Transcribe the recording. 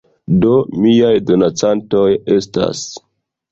Do, miaj donacantoj estas